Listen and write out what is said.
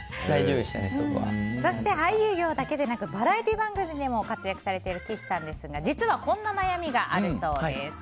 そして、俳優業だけでなくバラエティー番組でも活躍されている岸さんですがこんな悩みがあるそうです。